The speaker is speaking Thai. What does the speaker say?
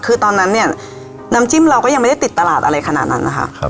คือตอนนั้นเนี่ยน้ำจิ้มเราก็ยังไม่ได้ติดตลาดอะไรขนาดนั้นนะคะ